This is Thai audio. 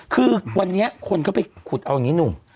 คือวันนี้คนก็ไปขุดเอาอย่างนี้หนุ่ม